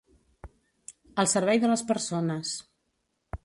Al servei de les persones.